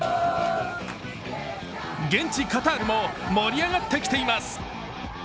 現地カタールも盛り上がってきています。